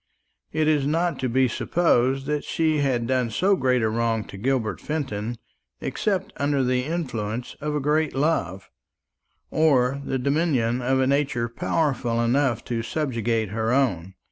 It is not to be supposed that she had done so great a wrong to Gilbert Fenton except under the influence of a great love, or the dominion of a nature powerful enough to subjugate her own.